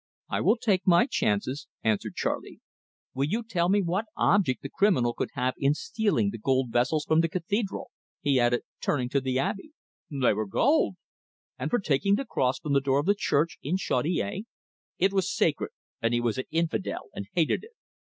"I will take my chances," answered Charley. "Will you tell me what object the criminal could have in stealing the gold vessels from the cathedral?" he added, turning to the Abbe. "They were gold!" "And for taking the cross from the door of the church in Chaudiere?" "It was sacred, and he was an infidel, and hated it."